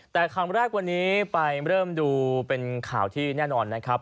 แต่คำแรกวันนี้ไปเริ่มดูเป็นข่าวที่แน่นอนนะครับ